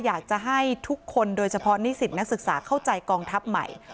อยากจะให้ทุกคนโดยเฉพาะนิสิตนักศึกษาเข้าใจกองทัพใหม่